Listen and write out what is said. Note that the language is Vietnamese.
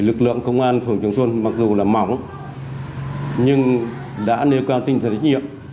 lực lượng công an phường trường xuân mặc dù là mỏng nhưng đã nêu cao tinh thần trách nhiệm